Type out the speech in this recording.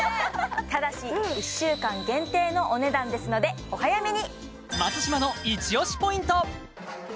ただし１週間限定のお値段ですのでお早めに！